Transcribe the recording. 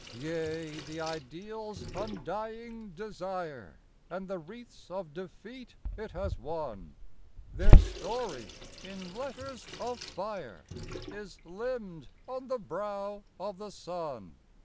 Yea, the Ideal's undying desire And the wreaths of defeat it has won, Their story, in letters of fire, Is limned on the brow of the sun.